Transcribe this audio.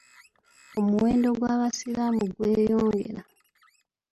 Omuwendo gw'abasiraamu gweyongera.